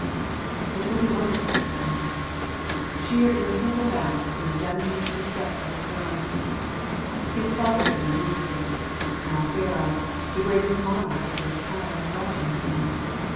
It was a wonderful ascent, sheer in a single bound from the dungeon to the steps of the throne. His father had rebuked him ; now Pharaoh, the greatest 74 %\)t of tljc ®(jrott£. monarch of his time, welcomes him.